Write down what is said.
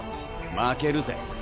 負けるぜ。